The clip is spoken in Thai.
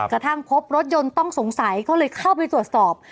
กระทั่งพบรถยนต์ต้องสงสัยก็เลยเข้าไปตรวจสอบ